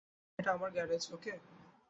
অ্যাব, এটা আমার গ্যারেজ, ওকে?